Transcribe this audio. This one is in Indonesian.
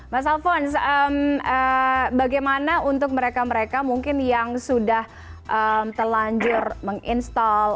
mas alphonse bagaimana untuk mereka mereka mungkin yang sudah telanjur menginstall